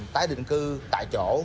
tái định cư tại chỗ